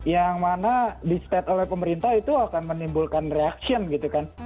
yang mana di state oleh pemerintah itu akan menimbulkan reaction gitu kan